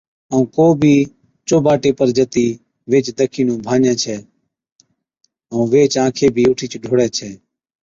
ائُون ڪو بِي چو باٽي پر جتِي ويھِچ دکِي نُون ڀانڃَي ڇَي ائُون ويھِچ آنکي بِي اُٺِيچ ڍوڙَي ڇَي